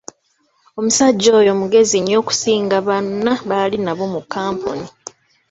Omusajja oyo mugezi nnyo okusinga bonna baali nabo mu kkampuni.